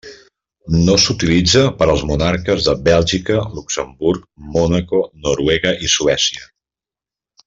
No s'utilitza per als monarques de Bèlgica, Luxemburg, Mònaco, Noruega i Suècia.